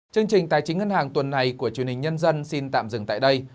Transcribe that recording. chương trình tài chính ngân hàng tuần này của truyền hình nhân dân xin tạm dừng tại đây